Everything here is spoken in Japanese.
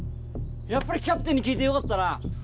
やっぱりキャプテンに聞いてよかったな！